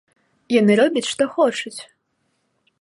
Яны робяць што хочуць!